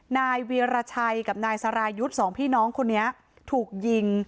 นายเวียรชัยกับนายสรายุทธ์สองพี่น้องคนนี้ถูกยิง